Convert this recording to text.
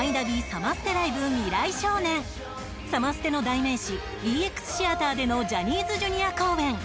サマステの代名詞ＥＸＴＨＥＡＴＥＲでのジャニーズＪｒ．公演。